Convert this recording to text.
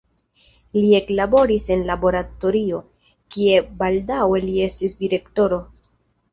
Li eklaboris en laboratorio, kie baldaŭe li estis direktoro.